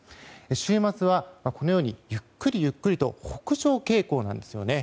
週末は、ゆっくりゆっくりと北上傾向なんですね。